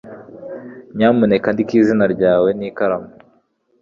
Nyamuneka andika izina ryawe n'ikaramu.